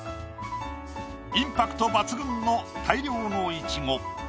インパクト抜群の大量のイチゴ。